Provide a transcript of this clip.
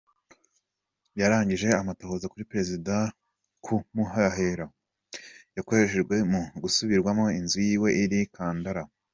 Yaragize amatohoza kuri prezida ku mahera yakoresheje mu gusubiramwo inzu yiwe iri i Nkandla.